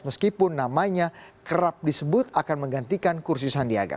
meskipun namanya kerap disebut akan menggantikan kursi sandiaga